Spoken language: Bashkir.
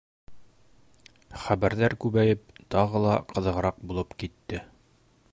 Хәбәрҙәр күбәйеп, тағы ла ҡыҙығыраҡ булып китте.